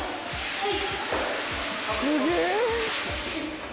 はい。